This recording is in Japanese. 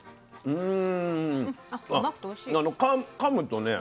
うん。